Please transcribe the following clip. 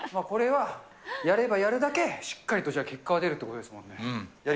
これはやればやるだけしっかりと結果は出るってことですもんね。